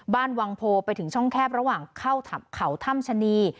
วังโพไปถึงช่องแคบระหว่างเข้าเขาถ้ำชะนี